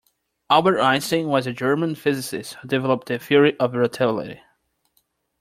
Albert Einstein was a German physicist who developed the Theory of Relativity.